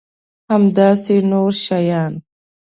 همداسې نور شیان.